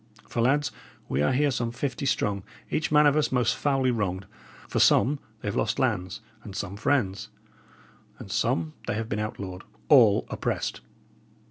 For, lads, we are here some fifty strong, each man of us most foully wronged; for some they have lost lands, and some friends; and some they have been outlawed all oppressed!